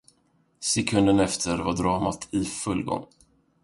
Sekunden efter var dramat i full gång.